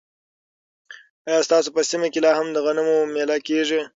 ایا ستاسو په سیمه کې لا هم د غنمو مېله کیږي؟